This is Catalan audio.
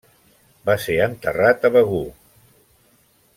Va ser enterrat a Begur.